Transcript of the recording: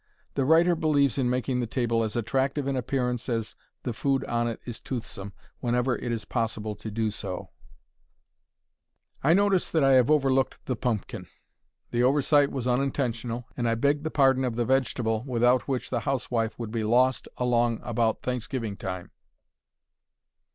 The writer believes in making the table as attractive in appearance as the food on it is toothsome whenever it is possible to do so. I notice that I have overlooked the pumpkin. The oversight was unintentional, and I beg the pardon of the vegetable without which the housewife would be "lost" along about Thanksgiving time.